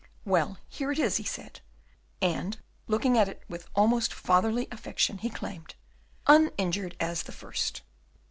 "Well, here it is," he said; and, looking at it with almost fatherly affection, he exclaimed, "Uninjured as the first!"